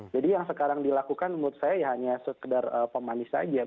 jadi yang sekarang dilakukan menurut saya hanya sekedar pemani saja